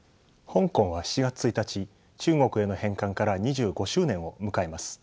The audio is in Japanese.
香港は７月１日中国への返還から２５周年を迎えます。